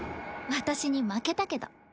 私に負けたけど。